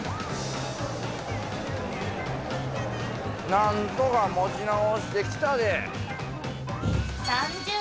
なんとかもちなおしてきたで。